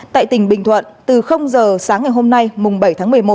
tại tỉnh bình thuận từ h sáng ngày hôm nay bảy tháng một mươi một